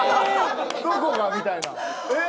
どこが？みたいな。えっ？